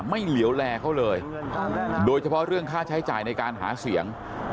เหลียวแลเขาเลยโดยเฉพาะเรื่องค่าใช้จ่ายในการหาเสียง